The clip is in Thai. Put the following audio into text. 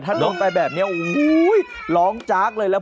ถ้าโดนไปแบบนี้โอ้โหร้องจากเลยแล้ว